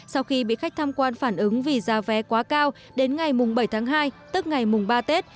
sau khi bị khách tham quan phản ứng vì giá vé quá cao đến ngày bảy tháng hai tức ngày mùng ba tết